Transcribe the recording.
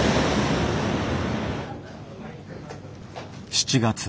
７月。